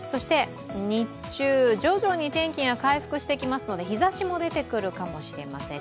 日中、徐々に天気が回復してきますので日ざしも出てくるかもしれません。